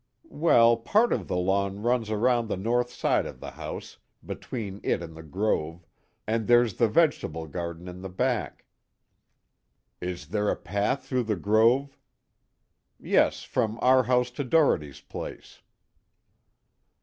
"Well, part of the lawn runs around the north side of the house, between it and the grove, and there's the vegetable garden in back." "Is there a path through the grove?" "Yes, from our house to Dohertys' place."